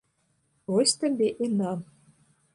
Вось табе і на.